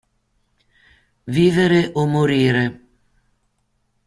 Vivere o morire?